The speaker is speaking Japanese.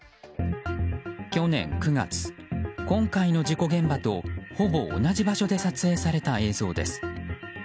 去年９月、今回の事故現場とほぼ同じ場所で撮影された映像です。